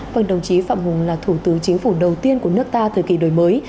vâng đồng chí phạm hùng là thủ tướng chính phủ đầu tiên của nước ta thời kỳ đổi mới